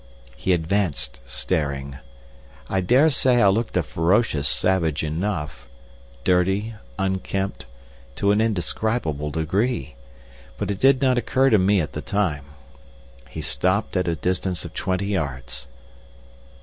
He advanced staring. I dare say I looked a ferocious savage enough—dirty, unkempt, to an indescribable degree; but it did not occur to me at the time. He stopped at a distance of twenty yards.